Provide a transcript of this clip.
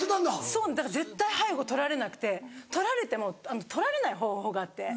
そうだから絶対背後取られなくて。取られても取られない方法があって。